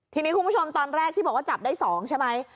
ทีนี้คุณผู้ชมตอนแรกที่บอกว่าจับได้๒ใช่ไหม